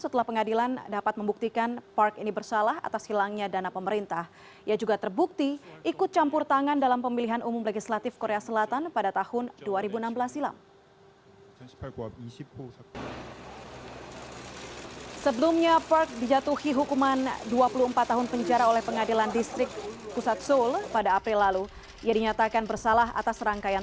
tidak ada yang bisa diberikan